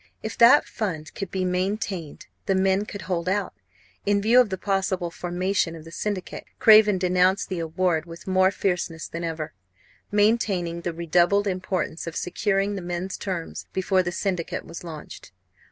If that fund could be maintained, the men could hold out. In view of the possible formation of the syndicate, Craven denounced the award with more fierceness than ever, maintaining the redoubled importance of securing the men's terms before the syndicate was launched.